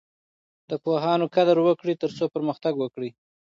د پوهانو قدر وکړئ ترڅو پرمختګ وکړئ.